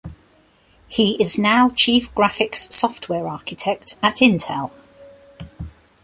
He is now Chief Graphics Software Architect at Intel.